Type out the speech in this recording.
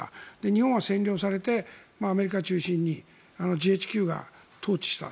日本は占領されてアメリカ中心にＧＨＱが統治した。